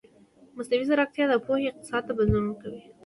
مصنوعي ځیرکتیا د پوهې اقتصاد ته بدلون ورکوي.